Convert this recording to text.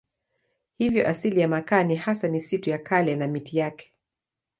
Hivyo asili ya makaa ni hasa misitu ya kale na miti yake.